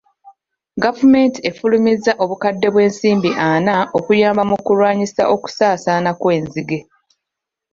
Gavumenti efulumizza obukadde bw'ensimbi ana okuyamba mu kulwanyisa okusaasaana kw'enzige.